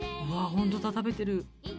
本当だ食べてる。